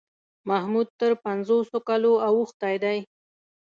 محمود تر پنځوسو کالو اوښتی دی.